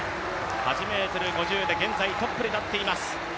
８ｍ５０で現在トップに立っています。